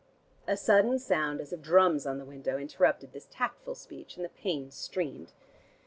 A sudden sound as of drums on the window interrupted this tactful speech, and the panes streamed.